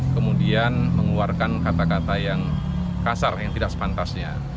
kemudian mengeluarkan kata kata yang kasar yang tidak sepantasnya